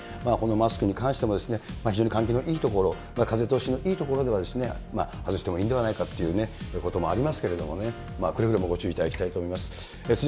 マスクに関しても、非常に換気のいい所、風通しのいい所では、外してもいいんではないかということもありますけどもね、くれぐれもご注意いただきたいと思います。